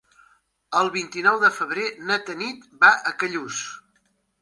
El vint-i-nou de febrer na Tanit va a Callús.